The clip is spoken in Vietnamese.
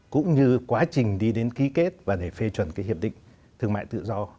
cũng như quá trình đi đến ký kết và để phê chuẩn cái hiệp định thương mại tự do